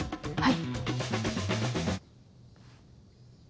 はい。